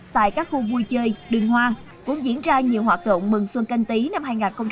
tại các khu vui chơi đường hoa cũng diễn ra nhiều hoạt động mừng xuân canh tí năm hai nghìn hai mươi